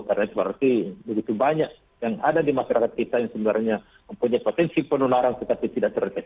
karena itu berarti begitu banyak yang ada di masyarakat kita yang sebenarnya mempunyai potensi penularan tetapi tidak terletak